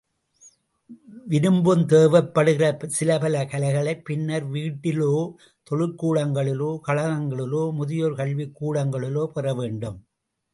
விரும்பும் தேவைப்படுகிற சில பல கலைகளைப் பின்னர் வீட்டிலோ, தொழிற்கூடங்களிலோ, கழகங்களிலோ, முதியோர் கல்வி கூடங்களிலோ பெறவேண்டும்.